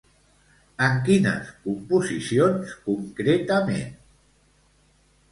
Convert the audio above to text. En quines composicions, concretament?